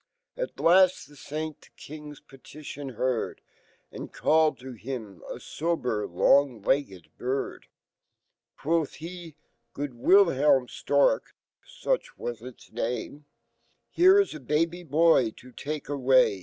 At laity e Saint y e King's petit ion heard, And called to him a fber long legged bird. Qyofh he^Good WiihelmStorkOuchwau its name), Here 1$ a baby boy to take away.